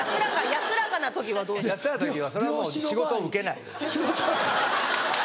安らかな時はそれはもう仕事を受けない。